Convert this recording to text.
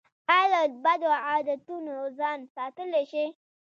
ایا له بدو عادتونو ځان ساتلی شئ؟